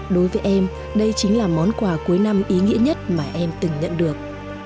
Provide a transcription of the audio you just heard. đối với em đây chính là món quà cuối năm ý nghĩa nhất mà em từng nhận được